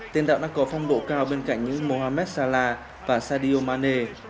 tiền đạo đã có phong độ cao bên cạnh những mohamed salah và sadio mane